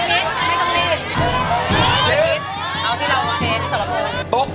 เอ้าไหม